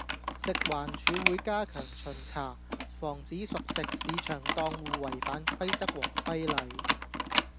食環署會加強巡查，防止熟食市場檔戶違反規則和規例